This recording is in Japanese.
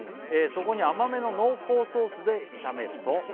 「そこに甘めの濃厚ソースで炒めると」